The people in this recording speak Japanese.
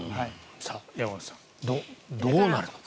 山口さん、どうなるのか。